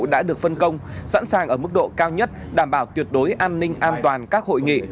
đã được phân công sẵn sàng ở mức độ cao nhất đảm bảo tuyệt đối an ninh an toàn các hội nghị